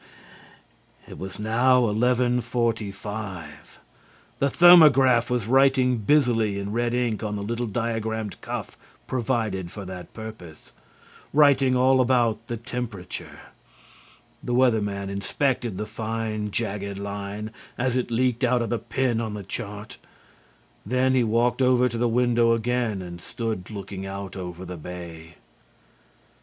It was now 11:45. The thermograph was writing busily in red ink on the little diagrammed cuff provided for that purpose, writing all about the temperature. The Weather Man inspected the fine, jagged line as it leaked out of the pen on the chart. Then he walked over to the window again and stood looking out over the bay.